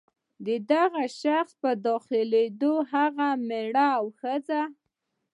د دغه شخص په داخلېدو هغه مېړه او ښځه.